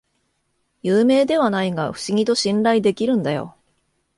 有名ではないが不思議と信頼できるんだよ